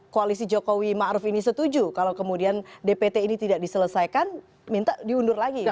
koalisi jokowi ma'ruf ini setuju kalau kemudian dpt ini tidak diselesaikan minta diundur lagi